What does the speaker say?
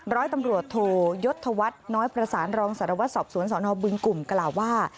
ร้อยตำรวจโทยศธวัฒน์น้อยประสานรองสารวัตรสอบสวนสนบึงกลุ่มกล่าวว่า